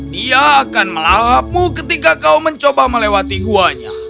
dia akan melalapmu ketika kau mencoba melewati guanya